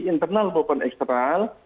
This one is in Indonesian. internal maupun eksternal